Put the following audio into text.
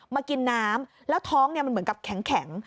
มากินน้ำแล้วท้องมันเหมือนกับแข็ง